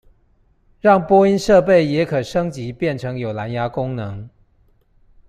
讓播音設備也可升級變成有藍芽功能